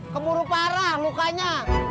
kemuruh parah lukanya